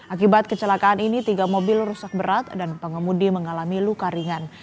akibat kecelakaan ini tiga mobil rusak berat dan pengemudi mengalami luka ringan